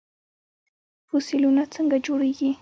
فوسیلونه څنګه جوړیږي؟